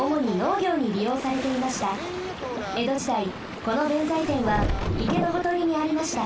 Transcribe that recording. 江戸時代この弁財天はいけのほとりにありました。